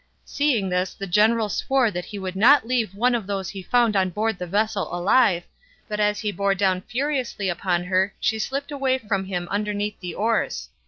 Seeing this the general swore he would not leave one of those he found on board the vessel alive, but as he bore down furiously upon her she slipped away from him underneath the oars.